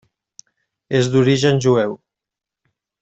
És d'origen jueu.